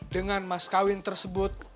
dengan mas kawin tersebut